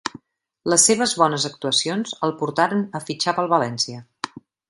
Les seves bones actuacions el portaren a fitxar pel València.